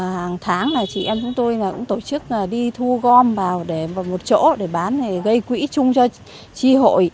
hàng tháng là chị em chúng tôi cũng tổ chức đi thu gom vào để một chỗ để bán này gây quỹ chung cho tri hội